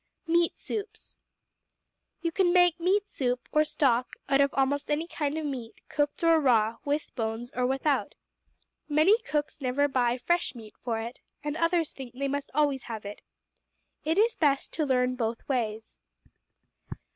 Meat Soups You can make meat soup, or stock, out of almost any kind of meat, cooked or raw, with bones or without. Many cooks never buy fresh meat for it, and others think they must always have it. It is best to learn both ways.